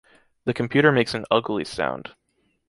The computer makes an ugly sound.